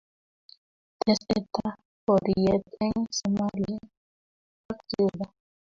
Testetaa poriyet en somalia ak juba